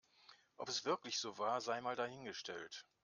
Ob es wirklich so war, sei mal dahingestellt.